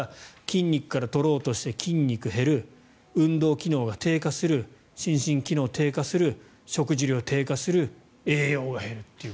筋肉から取ろうとして筋肉減る、運動機能が低下する心身機能が低下する食事量が低下する栄養が減ると。